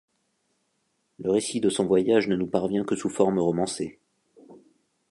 Le récit de son voyage ne nous parvient que sous forme romancée.